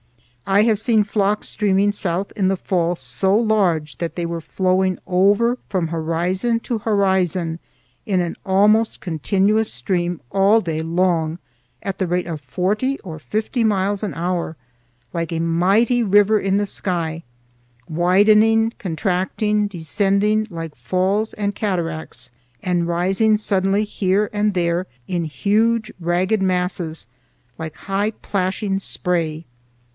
I have seen flocks streaming south in the fall so large that they were flowing over from horizon to horizon in an almost continuous stream all day long, at the rate of forty or fifty miles an hour, like a mighty river in the sky, widening, contracting, descending like falls and cataracts, and rising suddenly here and there in huge ragged masses like high plashing spray.